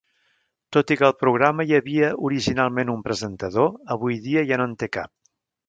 Tot i que al programa hi havia originalment un presentador, avui dia ja no en té cap.